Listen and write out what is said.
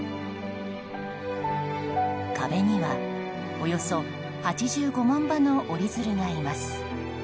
壁には、およそ８５万羽の折り鶴がいます。